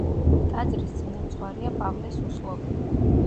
ტაძრის წინამძღვარია პავლე სუსლოვი.